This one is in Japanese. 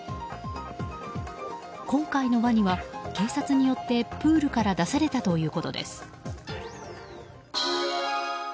今回のワニは警察によってプールから出されたということです。